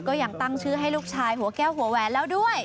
ก็ยังตั้งชื่อให้ลูกชายหัวแก้วหัวแหวนแล้วด้วย